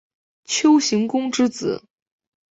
丘行恭之子。